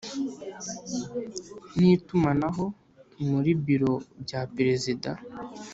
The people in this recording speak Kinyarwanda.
N itumanaho muri biro bya perezida